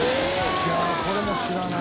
いやあこれも知らない。